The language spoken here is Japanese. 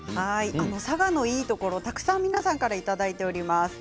佐賀のいいところたくさんいただいています。